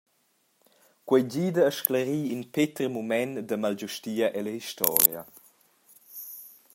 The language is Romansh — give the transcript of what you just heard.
Quei gida a sclarir in peter mument da malgiustia ella historia.